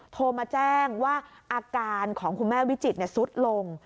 โทรมาแจ้งว่าอาการของคุณแม่วิจิตรสุดลง